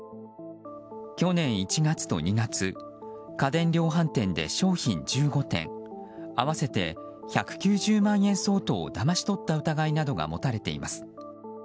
去年１月と２月家電量販店で商品１５点合わせて１９０万円相当をだまし取った疑いなどが持たれています。